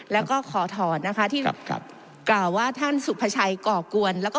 แล้วก็ขอให้ท่านได้เลิกก่อกวนด้วยค่ะ